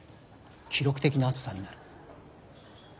記録的な暑さになる。